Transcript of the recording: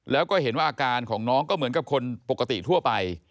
แล้วก็เห็นว่าอาการของน้องก็เหมือนกับคนปกติทั่วไป